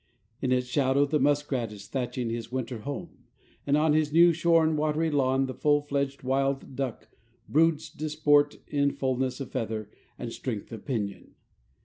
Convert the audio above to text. In its shadow the muskrat is thatching his winter home, and on his new shorn watery lawn the full fledged wild duck broods disport in fullness of feather and strength of pinion.